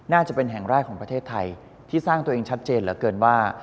น่าจะเป็นแห่งแรกของประเทศไทยที่สร้างตัวเองชัดเจนเหลือเกินว่า